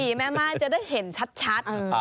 ทีมั้ยมายจะได้เห็นชัด